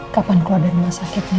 kapan keluar dari rumah sakit